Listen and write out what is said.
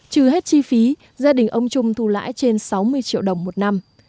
trừ hết chi phí gia đình ông trung thu lãi trên sáu mươi triệu đồng một năm